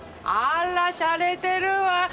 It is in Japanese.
あらしゃれてるわ！